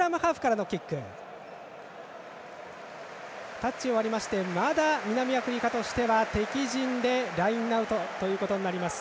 タッチを割りましたがまだ南アフリカとしては敵陣でラインアウトとなります。